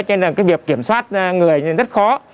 cho nên là cái việc kiểm soát người thì rất khó